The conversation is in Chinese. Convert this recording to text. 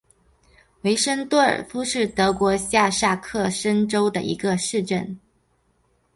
韦森多尔夫是德国下萨克森州的一个市镇。